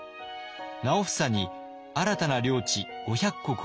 直房に新たな領地５００石を与えます。